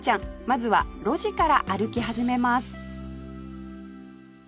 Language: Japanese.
まずは路地から歩き始めます